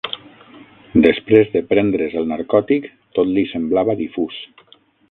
Després de prendre's el narcòtic tot li semblava difús.